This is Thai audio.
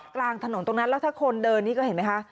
กลางถนนตรงนั้นแล้วถ้าคนเดินนี่ก็เห็นไหมคะ